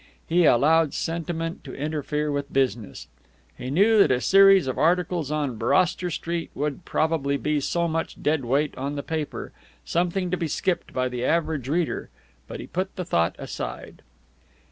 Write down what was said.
He allowed sentiment to interfere with business. He knew that a series of articles on Broster Street would probably be so much dead weight on the paper, something to be skipped by the average reader, but he put the thought aside.